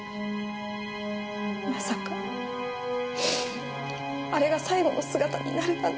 まさかあれが最後の姿になるなんて。